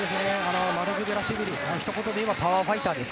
マルクベラシュビリはひと言で言えばパワーファイターです。